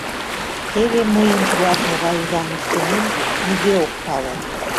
— Теве мыйын тылат могай удам ыштымем нигӧ ок пале!